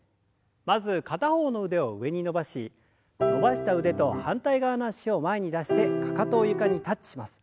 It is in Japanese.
まず片方の腕を上に伸ばし伸ばした腕と反対側の脚を前に出してかかとを床にタッチします。